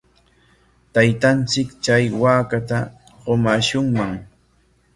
Taytanchik chay waakata qumaashunman.